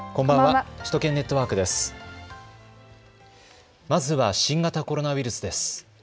まずは新型コロナウイルスです。